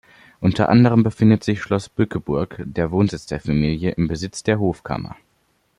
Unter anderem befindet sich Schloss Bückeburg, der Wohnsitz der Familie, im Besitz der Hofkammer.